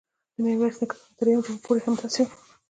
د میرویس نیکه څخه تر دریم جنګ پورې همداسې وه.